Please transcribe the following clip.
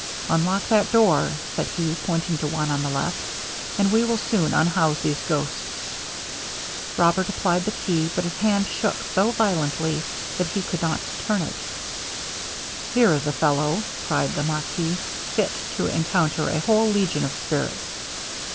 'Unlock that door,' said he, pointing to one on the left, 'and we will soon unhouse these ghosts.' Robert applied the key, but his hand shook so violently that he could not turn it. 'Here is a fellow,' cried the marquis, 'fit to encounter a whole legion of spirits.